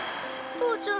父ちゃん！